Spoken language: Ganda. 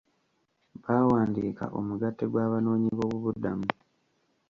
Baawandiika omugatte gw'abanoonyi b'obubuddamu.